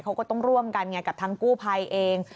เขาก็ต้องร่วมกันไงกับทางกู้ภัยเอง